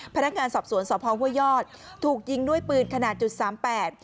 พนักงานสอบสวนสอบฮห้วยยอดถูกยิงน้วยปืนขนาด๓๘